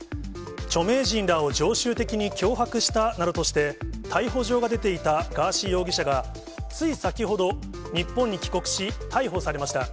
著名人らを常習的に脅迫したなどとして、逮捕状が出ていたガーシー容疑者が、つい先ほど、日本に帰国し、逮捕されました。